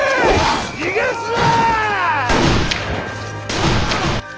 逃がすな！